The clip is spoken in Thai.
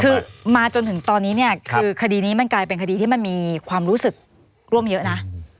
คือมาจนถึงตอนนี้เนี่ยคือคดีนี้มันกลายเป็นคดีที่มันมีความรู้สึกร่วมเยอะนะ